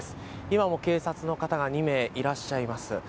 今も警察の方が２名いらっしゃいます。